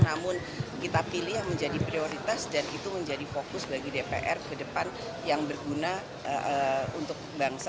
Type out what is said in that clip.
namun kita pilih yang menjadi prioritas dan itu menjadi fokus bagi dpr ke depan yang berguna untuk bangsa